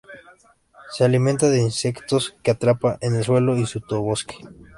Se alimenta de insectos que atrapa en el suelo y sotobosque.